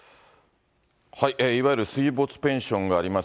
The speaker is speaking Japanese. いわゆる水没ペンションがあります